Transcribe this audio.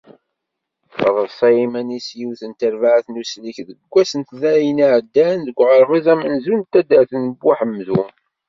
Treṣṣa iman-is yiwet n terbaɛt n usellek deg wass n letnayen iεeddan, deg uɣerbaz amenzu n taddart n Buḥamdun.